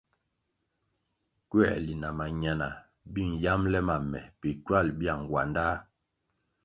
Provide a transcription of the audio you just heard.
Kuerli na mañana bi nyambele ma me bi ckywal biang wandá.